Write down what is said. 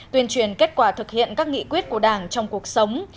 tuyên truyền kết quả thực hiện các nghị quyết của đảng trong cuộc sống